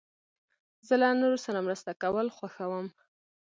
زه له نورو سره مرسته کول خوښوم.